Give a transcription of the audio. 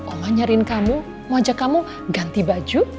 omah nyariin kamu mau ajak kamu ganti baju